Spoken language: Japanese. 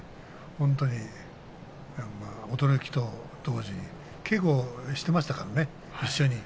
本当に驚きと当時、稽古してましたからね、一緒に。